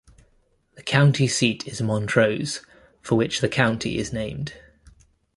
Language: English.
The county seat is Montrose, for which the county is named.